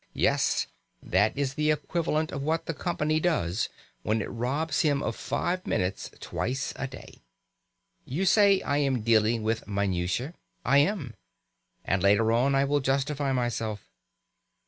Yet that is the equivalent of what the company does when it robs him of five minutes twice a day. You say I am dealing with minutiae. I am. And later on I will justify myself.